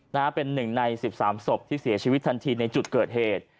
นะฮะเป็นหนึ่งในสิบสามศพที่เสียชีวิตทันทีในจุดเกิดเหตุ